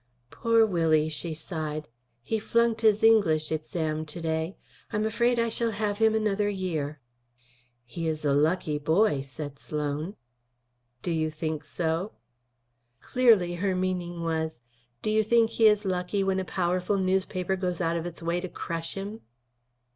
"Poor Willie!" she sighed. "He flunked his English exam, to day. I'm afraid I shall have him another year." "He is a lucky boy," said Sloan. "Do you think so?" Clearly her meaning was, "Do you think he is lucky when a powerful newspaper goes out of its way to crush him?"